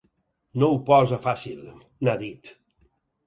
No ho posa fàcil, n’ha dit.